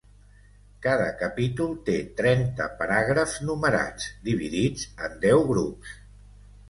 Cada capítol té trenta paràgrafs numerats, dividits en deu grups.